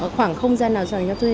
khoảng không gian nào dành cho thuê